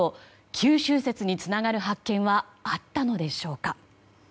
九州説につながる発見はあったのでしょうか。